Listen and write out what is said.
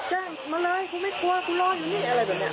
แจ้งมาเลยกูไม่กลัวกูรอดอย่างนี้อะไรแบบนี้